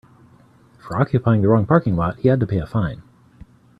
For occupying the wrong parking lot he had to pay a fine.